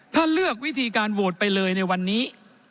ถ้าเลือกวิธีการโหวตไปเลยในวันนี้